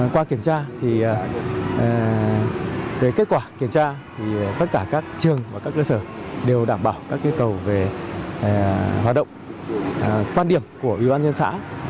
qua kiểm tra thì về kết quả kiểm tra thì tất cả các trường và các cơ sở đều đảm bảo các yêu cầu về hoạt động quan điểm của ủy ban nhân xã